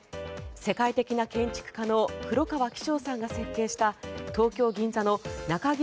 世界的な建築家の黒川紀章さんが設計した東京・銀座の中銀